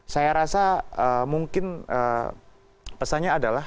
saya rasa mungkin pesannya adalah